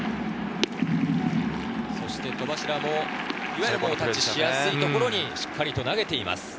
戸柱もタッチしやすいところにしっかり投げています。